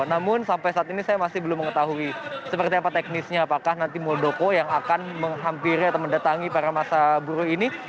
namun sampai saat ini saya masih belum mengetahui seperti apa teknisnya apakah nanti muldoko yang akan menghampiri atau mendatangi para masa buruh ini